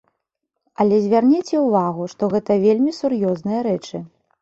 Але звярніце ўвагу, што гэта вельмі сур'ёзныя рэчы.